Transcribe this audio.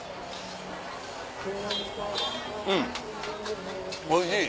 うんおいしい。